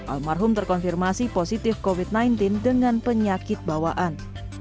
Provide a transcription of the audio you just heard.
almarhum terkonfirmasi positif covid sembilan belas dengan penyakit bawaan